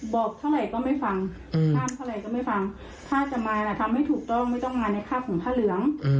บอกเท่าไหร่ก็ไม่ฟังห้ามเท่าไหร่ก็ไม่ฟังถ้าจะมาล่ะทำให้ถูกต้องไม่ต้องมาในภาพของผ้าเหลือง